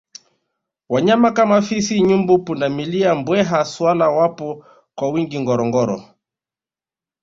wanyama kama fisi nyumbu pundamilia mbweha swala wapo kwa wingi ngorongoro